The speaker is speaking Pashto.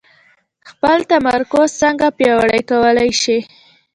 خپل تمرکز څنګه پياوړی کولای شئ؟